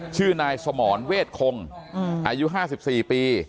ชื่อนายสมรเวทคงอายุ๕๔ปี